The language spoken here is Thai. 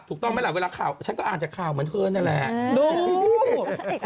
ถูกต้องไหมล่ะเวลาข่าวฉันก็อ่านจากข่าวเหมือนเธอนั่นแหละ